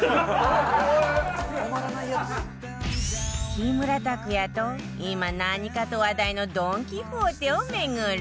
木村拓哉と今何かと話題のドン・キホーテを巡る